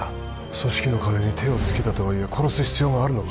組織の金に手をつけたとはいえ殺す必要があるのか？